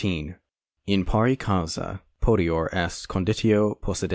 In pari causa potior est conditio possidentis.